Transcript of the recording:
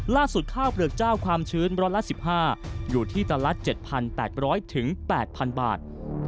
ข้าวเปลือกเจ้าความชื้นร้อยละ๑๕อยู่ที่ตันละ๗๘๐๐๘๐๐๐บาท